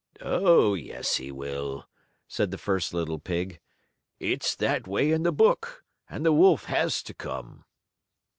"Oh, yes, he will," said the first little pig. "It's that way in the book, and the wolf has to come."